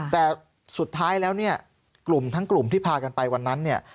แต่สุดท้ายแล้วเนี่ยกลุ่มทั้งกลุ่มที่พากันไปวันนั้นเนี่ย